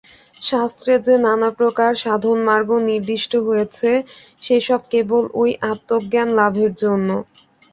শাস্ত্রে যে নানা প্রকার সাধনমার্গ নির্দিষ্ট হয়েছে, সে-সব কেবল ঐ আত্মজ্ঞান-লাভের জন্য।